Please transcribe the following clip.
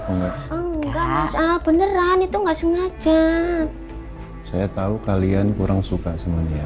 enggak masalah beneran itu nggak sengaja saya tahu kalian kurang suka sama dia